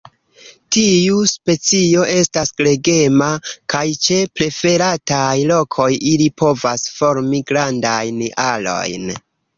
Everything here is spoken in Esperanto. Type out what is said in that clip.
Tiu specio estas gregema, kaj ĉe preferataj lokoj ili povas formi grandajn arojn.